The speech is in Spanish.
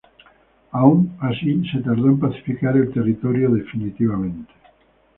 Aun así se tardó en pacificar el territorio definitivamente.